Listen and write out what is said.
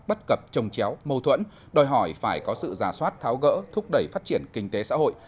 bất cập trông chéo mâu thuẫn đòi hỏi phải có sự giả soát tháo gỡ thúc đẩy phát triển kinh tế xã hội